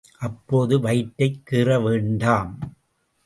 அப்போது வயிற்றைக் கீறவேண்டாம்.